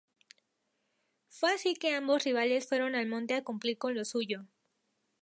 Fue así que ambos rivales fueron al monte a cumplir con lo suyo.